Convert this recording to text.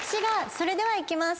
それではいきます。